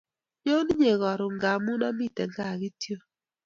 nyoon inye karun ngamun amiten kaa kityok.